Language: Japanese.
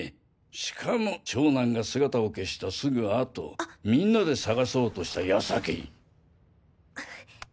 しかも長男が姿を消したすぐ後みんなで捜そうとした矢先に。